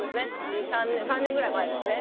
２３年３年ぐらい前ですね。